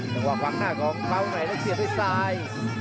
จังหวะขวางหน้าของฟ้าวันใหม่แล้วเสียดด้วยซาย